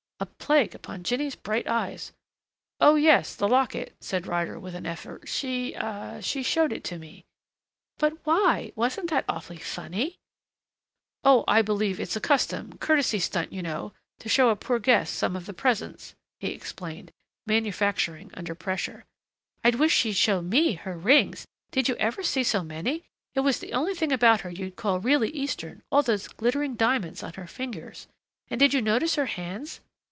A plague upon Jinny's bright eyes! "Oh, yes, the locket," said Ryder with an effort. "She ah she showed it to me." "But why? Wasn't that awfully funny " "Oh, I believe it's a custom, courtesy stunt you know, to show a poor guest some of the presents," he explained, manufacturing under pressure. "I wish she'd show me her rings. Did you ever see so many? It was the only thing about her you'd call really Eastern all those glittering diamonds on her fingers. And did you notice her hands?"